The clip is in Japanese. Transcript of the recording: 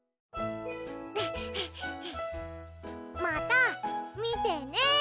また見てね。